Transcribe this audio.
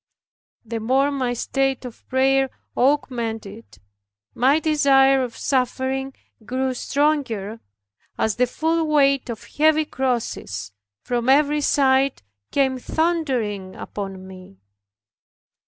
The more my state of prayer augmented, my desire of suffering grew stronger, as the full weight of heavy crosses from every side came thundering upon me.